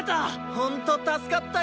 ホント助かったよ！